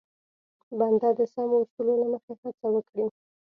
بنده د سمو اصولو له مخې هڅه وکړي.